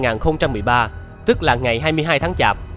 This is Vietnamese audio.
ngày hai tháng hai năm hai nghìn một mươi ba tức là ngày hai mươi hai tháng chạp